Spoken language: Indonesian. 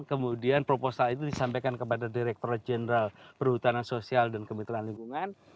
kemudian proposal itu disampaikan kepada direkturat jenderal perhutanan sosial dan kementerian lingkungan